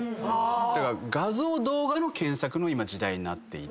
だから画像動画の検索の時代になっていて。